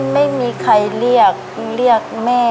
ไม่มีใครเรียกเรียกแม่